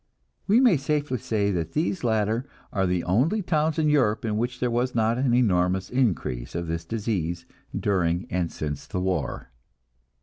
We may safely say that these latter are the only towns in Europe in which there was not an enormous increase of this disease during and since the war.